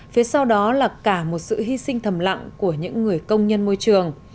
phía sau đó là cả một sự hy sinh thầm lặng của những người công nhân môi trường